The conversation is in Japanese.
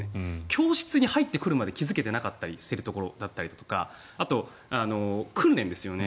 教室に入るまで気付けていなかったりしているところだったりあとは訓練ですよね。